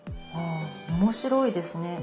あ面白いですね。